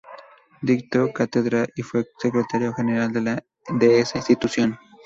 Dictó cátedra y fue secretario general de esa institución.